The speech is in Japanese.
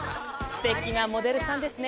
すてきなモデルさんですね！